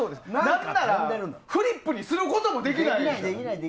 何ならフリップにすることもできない。